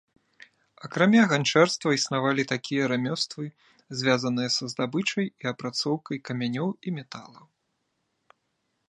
Акрамя ганчарства існавалі такія рамёствы, звязаныя са здабычай і апрацоўкай камянёў і металаў.